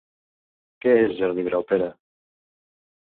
Què és Jordi Graupera?